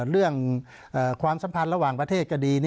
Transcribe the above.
เรื่องความสัมพันธ์ระหว่างประเทศก็ดี